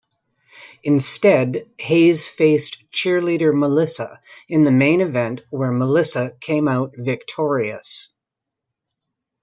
Instead Haze faced Cheerleader Melissa in the main event where Melissa came out victorious.